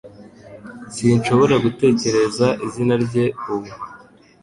Sinshobora gutekereza izina rye ubu